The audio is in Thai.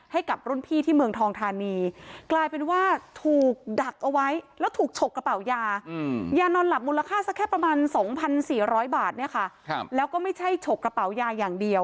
ให้กับรุ่นพี่ที่เมืองทองทานีกลายเป็นว่าถูกดักเอาไว้แล้วถูกฉกกระเป๋ายา